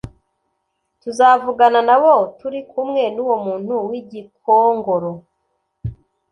“Tuzavugana nabo turi kumwe n’uwo muntu w’i Gikongoro